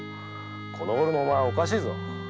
このごろのお前おかしいぞ。